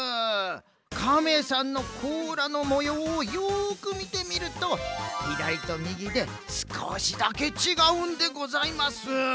かめさんのこうらのもようをよくみてみるとひだりとみぎですこしだけちがうんでございます。